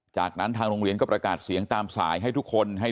จากนั้นทางโรงเรียนก็ประกาศเสียงตามสายให้ทุกคนให้